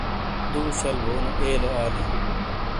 دو شل بونو ایلے آلیں